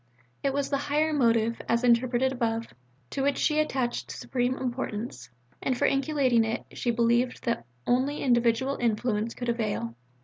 It was the higher motive (as interpreted above) to which she attached supreme importance, and for inculcating it she believed that only individual influence could avail.